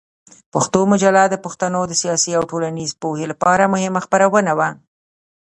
پښتون مجله د پښتنو د سیاسي او ټولنیزې پوهې لپاره مهمه خپرونه وه.